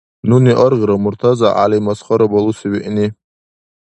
Нуни аргъира МуртазагӀяли масхара балуси виъни.